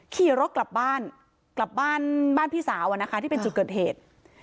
ขี่รถกลับบ้านกลับบ้านบ้านพี่สาวที่เป็นจุดเกิดเหตุ